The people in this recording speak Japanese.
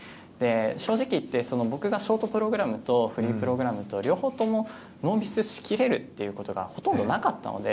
正直言って、僕がショートプログラムとフリープログラムと両方ともノーミスしきれるってことがほとんどなかったので。